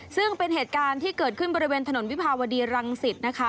ซึ่งเป็นเหตุการณ์ที่เกิดขึ้นบริเวณถนนวิภาวดีรังสิตนะคะ